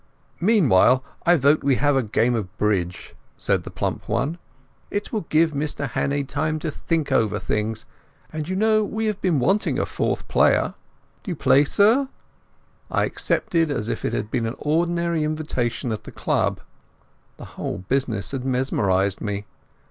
"Meantime I vote we have a game of bridge," said the plump one. "It will give Mr Hannay time to think over things, and you know we have been wanting a fourth player. Do you play, sir?" I accepted as if it had been an ordinary invitation at the club. The whole business had mesmerized me.